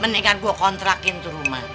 mendingan gue kontrakin tuh rumah